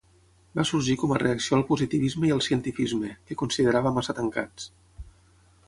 Va sorgir com a reacció al positivisme i al cientifisme, que considerava massa tancats.